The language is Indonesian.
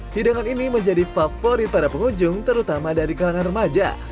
hidangan ini menjadi favorit para pengunjung terutama dari kalangan remaja